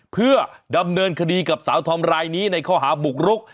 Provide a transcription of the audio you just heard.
เพื่อดำเนินคดีกับสาวธอมรายนี้ในข้อหาบุกรุก